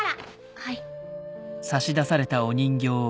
はい。